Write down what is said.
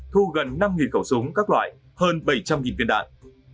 thu gần năm khẩu súng các loại hơn bảy trăm linh viên đạn